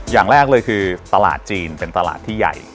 อย่างแรกเลยคือตลาดจีนเป็นตลาดที่ใหญ่